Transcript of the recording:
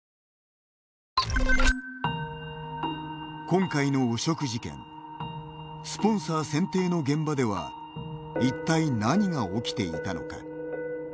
今回の汚職事件スポンサー選定の現場では一体何が起きていたのか。